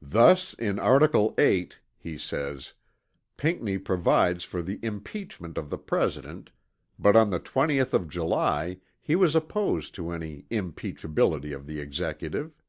"Thus in article VIII" he says, Pinckney provides for the impeachment of the President but on the 20th of July he was opposed to "any impeachability of the Executive."